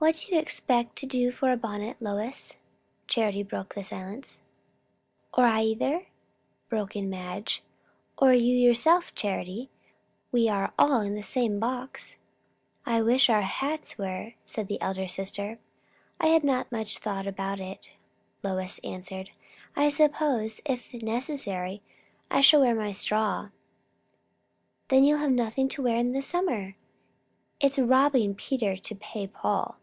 "What do you expect to do for a bonnet, Lois?" Charity broke the silence. "Or I either?" put in Madge. "Or you yourself, Charity? We are all in the same box." "I wish our hats were!" said the elder sister. "I have not thought much about it," Lois answered. "I suppose, if necessary, I shall wear my straw." "Then you'll have nothing to wear in the summer! It's robbing Peter to pay Paul."